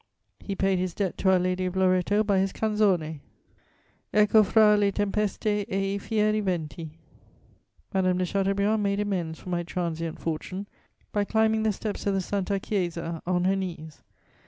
He payed his debt to Our Lady of Loretto by his canzone: Ecco fra le tempeste e i fieri venti. "Madame de Chateaubriand made amends for my transient fortune by climbing the steps of the Santa Chiesa on her knees.